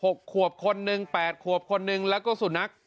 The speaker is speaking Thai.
หกขวบคนหนึ่งแปดขวบคนหนึ่งแล้วก็สุนัข